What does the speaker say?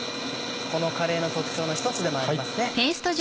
このカレーの特徴の一つでもありますね。